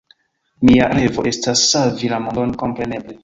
Mia revo estas savi la mondon, kompreneble!